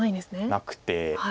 なくて。